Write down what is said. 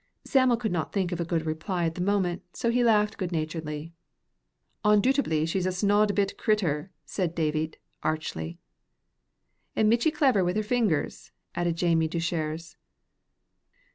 Sam'l could not think of a good reply at the moment, so he laughed good naturedly. "Ondoobtedly she's a snod bit crittur," said Davit, archly. "An' michty clever wi' her fingers," added Jamie Deuchars.